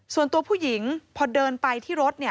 ส่วนตัวผู้หญิงพอเดินไปที่รถเนี่ย